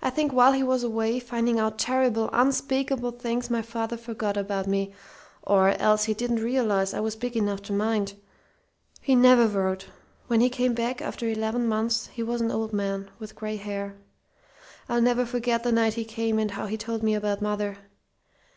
"I think while he was away, finding out terrible, unspeakable things, my father forgot about me or else he didn't realize I was big enough to mind. He never wrote. When he came back, after eleven months, he was an old man, with gray hair. I'll never forget the night he came, and how he told me about mother.